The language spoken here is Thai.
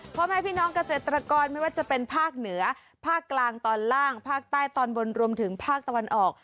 พ่อแม่พี่น้องเกษตรกรไม่ว่าจะเป็นภาคเหนือภาคกลางตอนล่างภาคใต้ตอนบนรวมถึงภาคตะวันออก